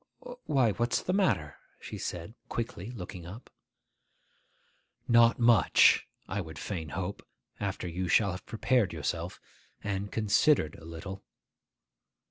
'Why, what's the matter?' she said quickly, looking up. 'Not much, I would fain hope, after you shall have prepared yourself, and considered a little.